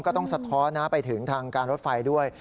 ก็ต้องสะท้อนไปถึงทางการรถไฟด้วย